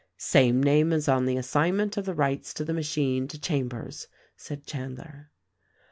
"Same name as on the assignment of the rights to the machine to Chambers," said Chandler.